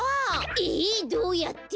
えっどうやって？